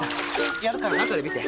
やるから中で見て。